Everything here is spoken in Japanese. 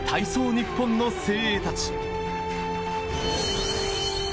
日本の精鋭たち。